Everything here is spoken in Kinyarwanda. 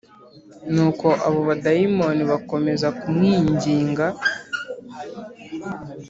Nuko abo badayimoni bakomeza kumwinginga